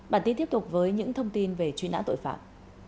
bản tin tiếp tục với những thông tin về truy nã tội phạm